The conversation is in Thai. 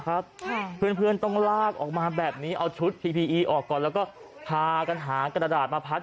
ครับค่ะเพื่อนเพื่อนต้องลากออกมาแบบนี้เอาชุดพีพีอีออกก่อนแล้วก็พากันหากระดาษมาพัด